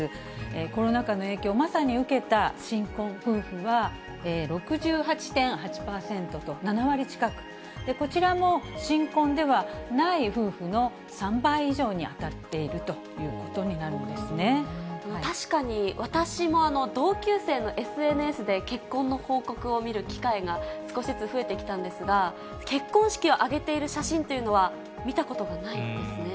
コロナ禍の影響をまさに受けた新婚夫婦は、６８．８％と７割近く、こちらも新婚ではない夫婦の３倍以上に当たっているということに確かに、私も同級生のＳＮＳで結婚の報告を見る機会が少しずつ増えてきたんですが、結婚式を挙げている写真というのは見たことがないですね。